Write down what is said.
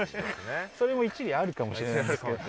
それも一理あるかもしれないんですけど。